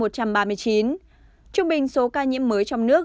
trung bình số ca nhiễm mới trong nước